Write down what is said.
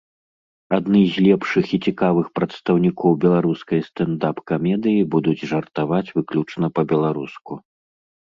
Адны з лепшых і цікавых прадстаўнікоў беларускай стэндап-камедыі будуць жартаваць выключна па-беларуску!